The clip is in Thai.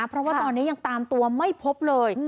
เพราะว่าตอนนี้ยังตามตัวไม่พบเลย